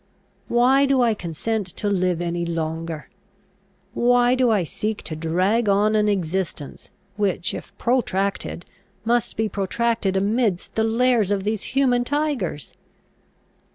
Why do I consent to live any longer? Why do I seek to drag on an existence, which, if protracted, must be protracted amidst the lairs of these human tigers?"